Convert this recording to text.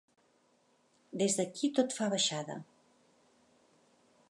Des d’aquí tot fa baixada.